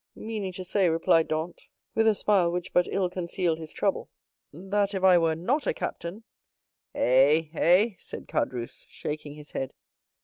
"Meaning to say," replied Dantès, with a smile which but ill concealed his trouble, "that if I were not a captain——" "Eh—eh!" said Caderousse, shaking his head.